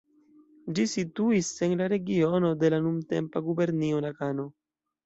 Ĝi situis en la regiono de la nuntempa gubernio Nagano.